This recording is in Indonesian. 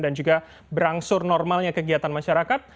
dan juga berangsur normalnya kegiatan masyarakat